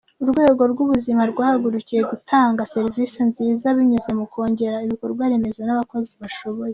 Urwego rw’ubuzima rwahagurukiye gutanga serivisi nziza binyuze mu kongera ibikorwaremezo n’abakozi bashoboye.